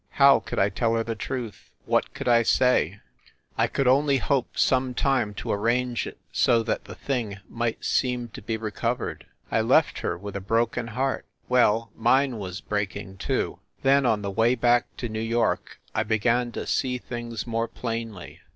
How could I tell her the truth! What could I say! I THE SUITE AT THE PLAZA 143 could only hope some time to arrange it so that the thing might seem to be recovered. I left her with a broken heart. Well, mine was breaking, too ! Then, on the way back to New York, I began to see things more plainly.